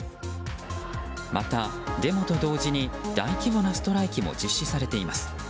また、デモと同時に大規模なストライキも実施されています。